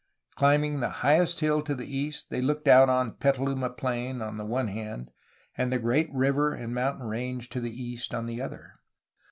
Climbing the highest hiU to the east they looked out on Petaluma plain on the one hand and the great river and mountain range to the east on the other.